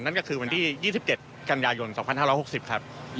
นั่นก็คือวันที่๒๗กันยายน๒๕๖๐ครับ